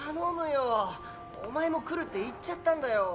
お前も来るって言っちゃったんだよ。